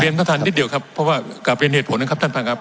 ท่านท่านนิดเดียวครับเพราะว่ากลับเป็นเหตุผลนะครับท่านท่านครับ